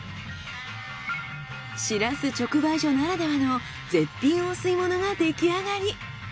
シラス直売所ならではの絶品お吸い物が出来上がり。